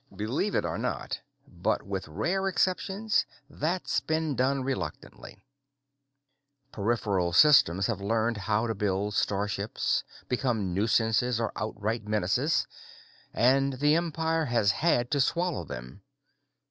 "Believe it or not, but with rare exceptions that's been done reluctantly. Peripheral systems have learned how to build star ships, become nuisances or outright menaces, and the Empire has had to swallow them.